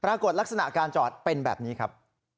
ปรากฏลักษณะการจอดเป็นแบบนี้ครับ